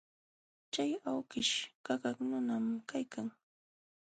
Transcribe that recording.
Chay awkish qapaq nunam kaykan.